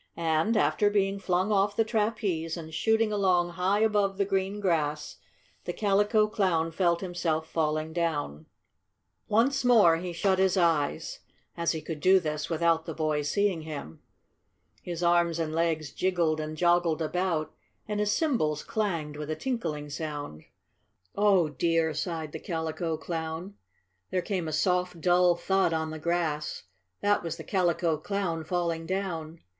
And, after being flung off the trapeze and shooting along high above the green grass, the Calico Clown felt himself falling down. Once more he shut his eyes, as he could do this without the boys seeing him. His arms and legs jiggled and joggled about, and his cymbals clanged with a tinkling sound. "Oh, dear!" sighed the Calico Clown. There came a soft, dull thud on the grass. That was the Calico Clown falling down.